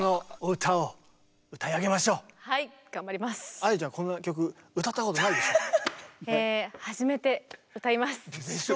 愛理ちゃんこんな曲歌ったことないでしょう？えでしょ。